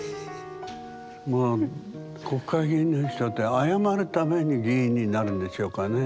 もう国会議員の人って謝るために議員になるんでしょうかね。